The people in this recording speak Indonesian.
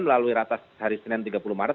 melalui ratas hari senin tiga puluh maret